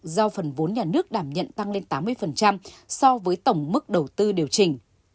do phần vốn nhà nước đảm nhận tăng lên tám mươi so với tổng mức đầu tư điều chỉnh